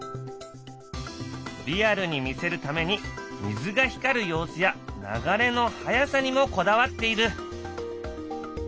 リアルに見せるために水が光る様子や流れの速さにもこだわっている。